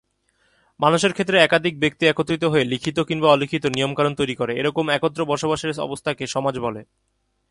মানুষের ক্ষেত্রে একাধিক ব্যক্তি একত্র হয়ে লিখিত কিংবা অলিখিত নিয়ম-কানুন তৈরি করে; এরকম একত্র বসবাসের অবস্থাকে সমাজ বলে।